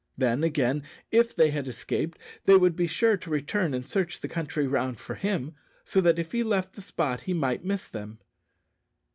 Then, again, if they had escaped, they would be sure to return and search the country round for him, so that if he left the spot he might miss them.